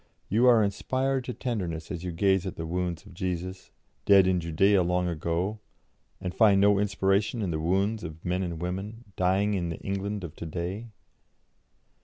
You are inspired to tenderness as you gaze at the wounds of Jesus, dead in Judaea long ago, and find no inspiration in the wounds of men and women, dying in the England of to day?